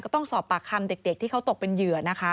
ต้องสอบปากคำเด็กที่เขาตกเป็นเหยื่อนะคะ